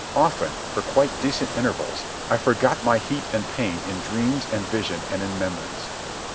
Often, for quite decent intervals, I forgot my heat and pain in dreams and visions and in memories.